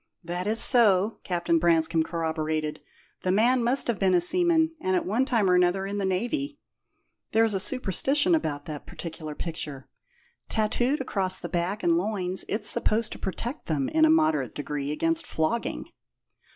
"That is so," Captain Branscome corroborated. "The man must have been a seaman, and at one time or another in the Navy. There's a superstition about that particular picture: tattooed across the back and loins it's supposed to protect them, in a moderate degree, against flogging."